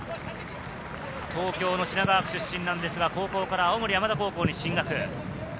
東京の品川区出身ですが、高校から青森山田高校に進学。